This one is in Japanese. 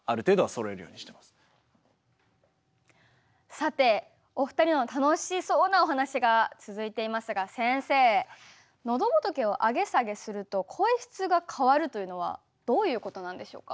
さてお二人の楽しそうなお話が続いていますが先生のどぼとけを上げ下げすると声質が変わるというのはどういうことなんでしょうか？